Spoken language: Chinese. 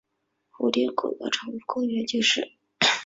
蝴蝶谷道宠物公园就是。